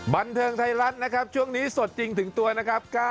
บันเทิงไทยรัฐนะครับช่วงนี้สดจริงถึงตัวนะครับ